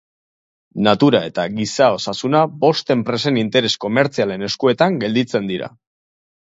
Natura eta giza-osasuna bost enpresen interes komertzialen eskuetan gelditzen dira.